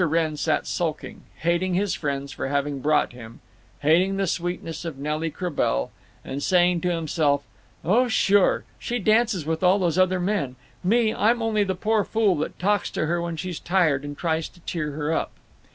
Wrenn sat sulking, hating his friends for having brought him, hating the sweetness of Nelly Croubel, and saying to himself, "Oh—sure—she dances with all those other men—me, I'm only the poor fool that talks to her when she's tired and tries to cheer her up."